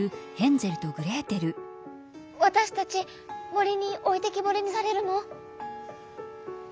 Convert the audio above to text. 「わたしたちもりにおいてきぼりにされるの？」。